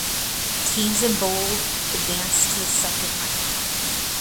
Teams in Bold advanced to the second round.